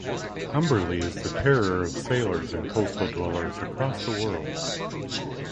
Umberlee is the terror of sailors and coastal dwellers across the world.